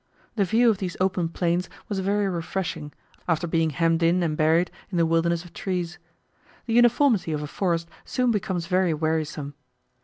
The view of these open plains was very refreshing, after being hemmed in and buried in the wilderness of trees. The uniformity of a forest soon becomes very wearisome.